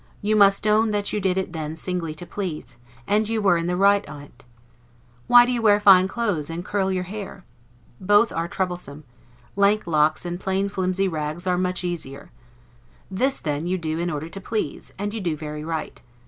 You must own, that you did it then singly to please, and you were, in the right on't. Why do you wear fine clothes, and curl your hair? Both are troublesome; lank locks, and plain flimsy rags are much easier. This then you also do in order to please, and you do very right.